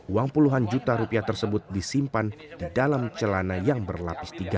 uang puluhan juta rupiah tersebut disimpan di dalam celana yang berlapis tiga